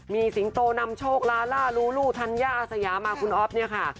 มีสิงโตนำโชคลาล่าลูลูธัญญาอาสยามาคุณอ๊อฟเนี่ยค่ะ